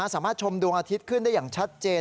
ชมดวงอาทิตย์ขึ้นได้อย่างชัดเจน